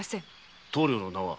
棟梁の名は？